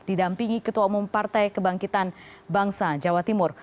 didampingi ketua umum partai kebangkitan bangsa jawa timur